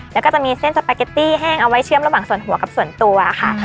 แล้วก็จะมีเส้นสปาเกตตี้แห้งเอาไว้เชื่อมระหว่างส่วนหัวกับส่วนตัวค่ะ